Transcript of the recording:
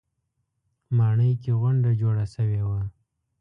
ماڼۍ کې غونډه جوړه شوې وه.